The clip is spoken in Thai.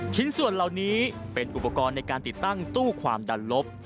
ชิ้นส่วนเหล่านี้เป็นอุปกรณ์ในการติดตั้งตู้ความดันลบ